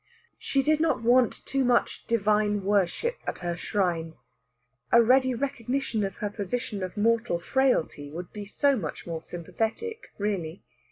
She did not want too much divine worship at her shrine a ready recognition of her position of mortal frailty would be so much more sympathetic, really.